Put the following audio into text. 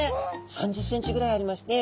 ３０ｃｍぐらいありまして。